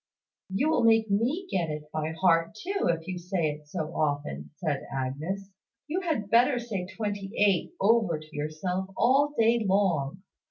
'" "You will make me get it by heart too, if you say it so often," said Agnes. "You had better say `twenty eight' over to yourself all day long.